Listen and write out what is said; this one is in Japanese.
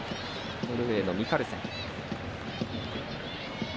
ノルウェーのミカルセン。